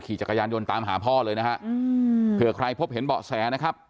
จักรยานยนต์ตามหาพ่อเลยนะฮะเผื่อใครพบเห็นเบาะแสนะครับ